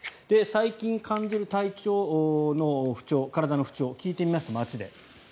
最近感じる体調の不調体の不調聞いてみました、街で。